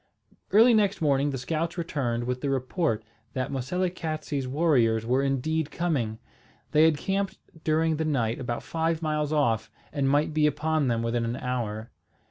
Early next morning the scouts returned with the report that Moselekatse's warriors were indeed coming. They had camped during the night about five miles off, and might be upon them within an hour.